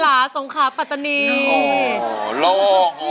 น้องบอม